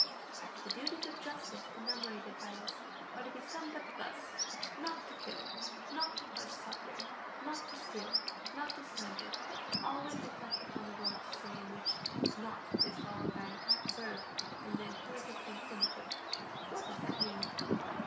The duties of justice enumerated by us are to be summed up thus: Not to kill ... not to cause suffering ... not to steal ... not to slander. Always reflect upon the words you say in which "Not" is followed by a verb in the imperative infinitive. What does that mean?